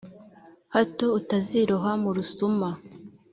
hato utaziroha mu rusuma